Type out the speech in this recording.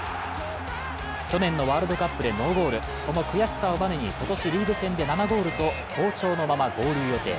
去年のワールドカップでノーゴール、その悔しさをバネに今年リーグ戦で７ゴールと好調のまま合流予定。